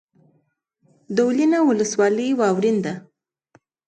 دولینه ولسوالۍ واورین ده؟